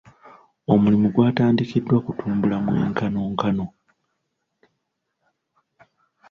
Omulimu gwatandikiddwa kutumbula mwenkanonkano.